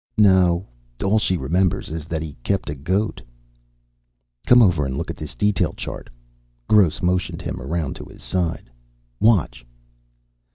"No. All she remembers is that he kept a goat." "Come over and look at this detail chart." Gross motioned him around to his side. "Watch!"